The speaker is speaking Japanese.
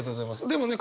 でもね